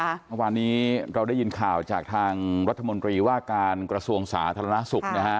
เมื่อวานนี้เราได้ยินข่าวจากทางรัฐมนตรีว่าการกระทรวงศาสตร์ธรรมนาศุกร์